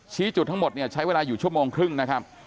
จุดทั้งหมดเนี่ยใช้เวลาอยู่ชั่วโมงครึ่งนะครับ